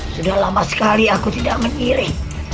sudah lama sekali aku tidak mendiri